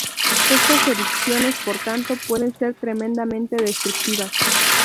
Estas erupciones, por tanto pueden ser tremendamente destructivas.